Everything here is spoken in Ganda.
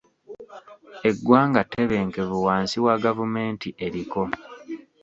Eggwanga ttebenkevu wansi wa gavumenti eriko.